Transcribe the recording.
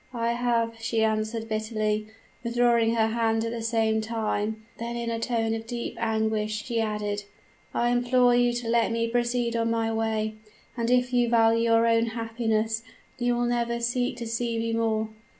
"'I have,' she answered bitterly, withdrawing her hand at the same time; then in a tone of deep anguish she added, 'I implore you to let me proceed on my way; and if you value your own happiness you will never seek to see me more.'